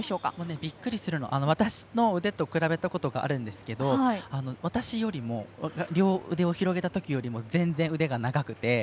びっくりするのは私の腕と比べたことがありますが私が両腕を広げたときよりも全然腕が長くて。